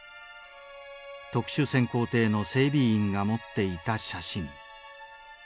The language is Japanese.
特殊潜航艇の整備員が持っていた写真。